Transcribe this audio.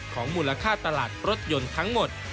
มูลค่าตลาดรถยนต์ทั้งหมด